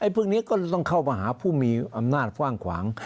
พวกนี้ก็จะต้องเข้ามาหาผู้มีอำนาจกว้างขวาง